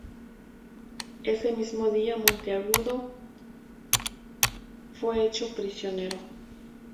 Ese mismo día Monteagudo fue hecho prisionero.